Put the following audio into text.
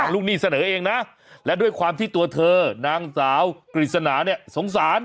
ลูกหนี้เสนอเองนะและด้วยความที่ตัวเธอนางสาวกฤษณาเนี่ยสงสาร